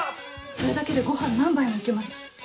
それだけでご飯何杯も行けます。